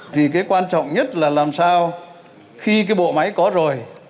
thì cái quan trọng nhất là làm sao khi cái bộ máy có rồi